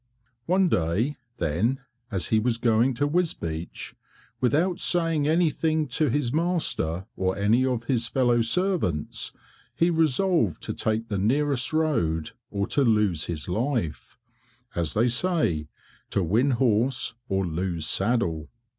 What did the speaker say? One day, then, as he was going to Wisbeach, without saying anything to his master or any of his fellow servants, he resolved to take the nearest road or to lose his life; as they say, to win horse or lose saddle.